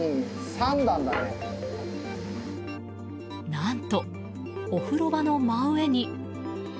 何と、お風呂場の真上に。